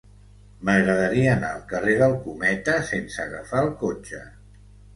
M'agradaria anar al carrer del Cometa sense agafar el cotxe.